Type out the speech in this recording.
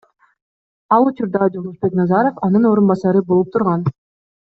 Ал учурда Жолдошбек Назаров анын орун басары болуп турган.